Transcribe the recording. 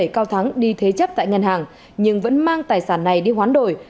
năm mươi bảy cao thắng đi thê chấp tại ngân hàng nhưng vẫn mang tài sản này đi khoán đổi